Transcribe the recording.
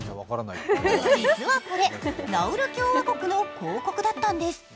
実はこれ、ナウル共和国の広告だったんです。